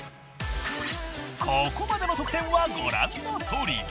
ここまでの得点はご覧のとおり。